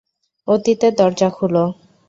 অতীতের দরজা খুলো!